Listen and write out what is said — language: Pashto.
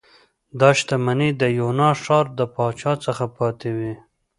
دا شتمنۍ د یونا ښار د پاچا څخه پاتې وې